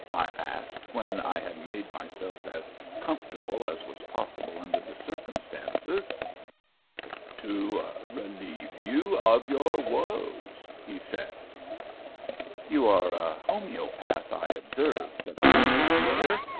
I asked, when I had made myself as comfortable as was possible under the circumstances. "To relieve you of your woes," he said. "You are a homoeopath, I observe," said I, with a sneer.